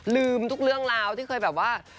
ลืมทุกเรื่องราวที่เคยแบบว่า